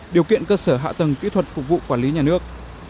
điều kiện cơ sở hạ tầng kỹ thuật phục vụ quản lý nhà nước